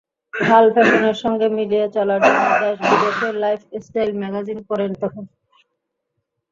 হাল ফ্যাশনের সঙ্গে মিলিয়ে চলার জন্য দেশ-বিদেশের লাইফস্টাইল ম্যাগাজিন পড়েন তখন।